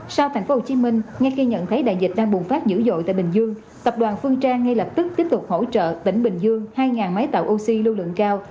sau thành phố hồ chí minh ngay khi nhận thấy đại dịch đang bùng phát dữ dội tại bình dương tập đoàn phương trang ngay lập tức tiếp tục hỗ trợ tỉnh bình dương hai máy tạo oxy lưu lượng cao